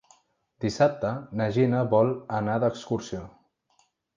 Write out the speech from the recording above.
Dissabte na Gina vol anar d'excursió.